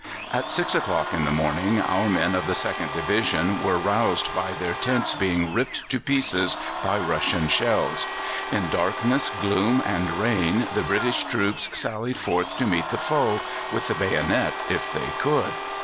At six o'clock in the morning our men of the Second Division were roused by their tents being ripped to pieces by Russian shells. In darkness, gloom, and rain the British troops sallied forth to meet the foe with the bayonet if they could.